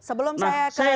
sebelum saya kembali